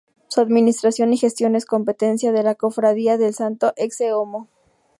Su administración y gestión es competencia de la Cofradía del Santo Ecce-Homo.